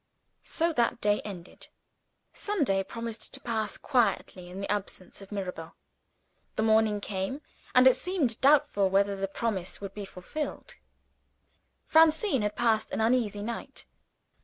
So that day ended. Sunday promised to pass quietly, in the absence of Mirabel. The morning came and it seemed doubtful whether the promise would be fulfilled. Francine had passed an uneasy night.